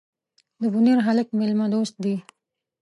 ده بونیر هلک میلمه دوست دي.